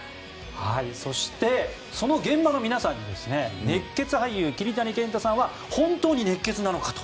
そしてその現場の皆さんに熱血俳優・桐谷健太さんは本当に熱血なのかと。